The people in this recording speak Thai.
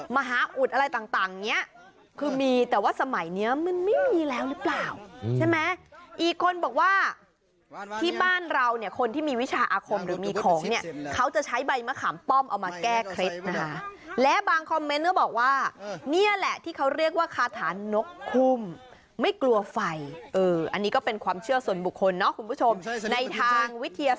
มหาอุดอะไรต่างเนี้ยคือมีแต่ว่าสมัยเนี้ยมันไม่มีแล้วหรือเปล่าใช่ไหมอีกคนบอกว่าที่บ้านเราเนี่ยคนที่มีวิชาอาคมหรือมีของเนี่ยเขาจะใช้ใบมะขามป้อมเอามาแก้เคล็ดนะคะและบางคอมเมนต์ก็บอกว่านี่แหละที่เขาเรียกว่าคาถานกคุ่มไม่กลัวไฟอันนี้ก็เป็นความเชื่อส่วนบุคคลเนาะคุณผู้ชมในทางวิทยา